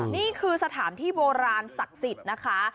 นี่คือสถานที่โบราณศักดิ์สิทธิ์นะคะ